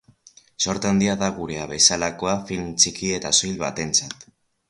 Zorte handia da gurea bezalako film txiki eta soil batentzat.